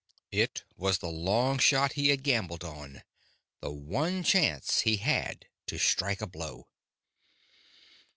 It was the long shot he had gambled on, the one chance he had to strike a blow.